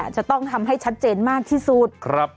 จะต้องทำให้ชัดเจนมากที่สุด